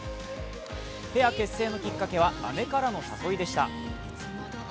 ペア結成のきっかけは姉からの誘いでした。